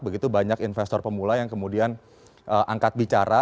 begitu banyak investor pemula yang kemudian angkat bicara